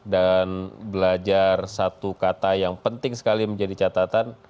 dan belajar satu kata yang penting sekali menjadi catatan